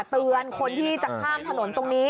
เตือนคนที่จะข้ามถนนตรงนี้